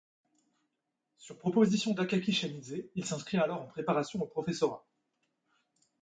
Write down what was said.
Sur proposition d’Akaki Chanidzé აკაკი შანიძე, il s’inscrit alors en préparation au professorat.